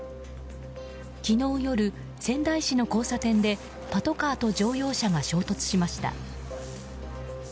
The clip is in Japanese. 昨日夜、仙台市の交差点でパトカーと乗用車が衝突しました。